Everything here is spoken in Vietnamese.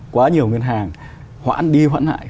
quá nhiều ngân hàng hoãn đi hoãn lại